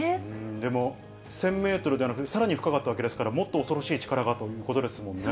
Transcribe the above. でも、１０００メートルではなくて、さらに深かったわけですから、もっと恐ろしい力がということですよね。